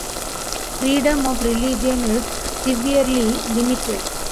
Freedom of religion is severely limited.